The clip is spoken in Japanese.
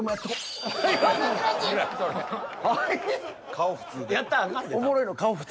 顔普通で。